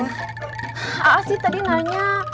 aa'as sih tadi nanya